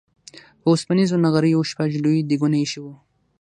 په اوسپنيزو نغريو شپږ لوی ديګونه اېښي وو.